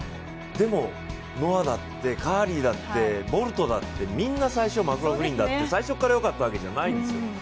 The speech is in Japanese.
でもノアだって、カーリーだって、ボルトだって、みんな最初、マクローフリンだって最初から良かったわけじゃないんですよ。